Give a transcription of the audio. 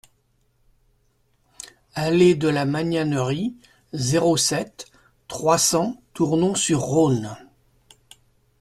Allée de la Magnanerie, zéro sept, trois cents Tournon-sur-Rhône